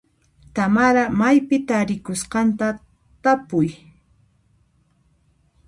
Tamara maypi tarikusqanta tapuy.